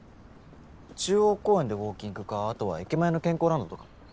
中央公園でウオーキングかあとは駅前の健康ランドとか。